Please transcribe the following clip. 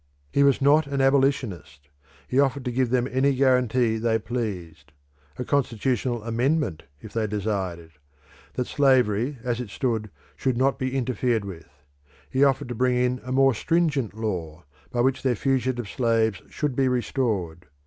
He was not an abolitionist. He offered to give them any guarantee they pleased a constitutional amendment if they desired it that slavery as it stood should not be interfered with. He offered to bring in a more stringent law, by which their fugitive slaves should be restored.